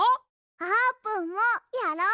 あーぷんもやろう！